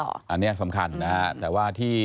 อันนี้สำคัญนะฮะแต่ว่าที่